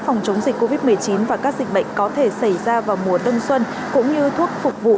phòng chống dịch covid một mươi chín và các dịch bệnh có thể xảy ra vào mùa đông xuân cũng như thuốc phục vụ